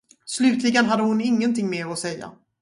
Slutligen hade hon ingenting mer att säga.